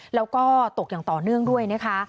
แล้วก็ตกอย่างต่อเนื่องด้วยนะคะ